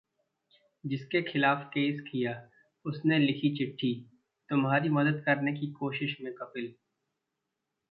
जिसके खिलाफ केस किया उसने लिखी चिट्ठी- तुम्हारी मदद करने की कोशिश में कपिल